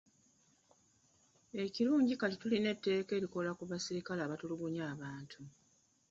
Ekirungi kati tulina etteeka erikola ku basirikale abatulugunya abantu.